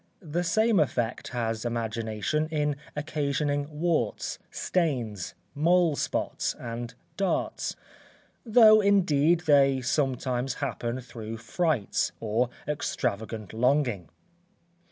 The same effect has imagination in occasioning warts, stains, mole spots, and dartes; though indeed they sometimes happen through frights, or extravagant longing.